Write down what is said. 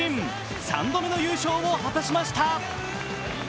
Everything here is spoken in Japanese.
３度目の優勝を果たしました。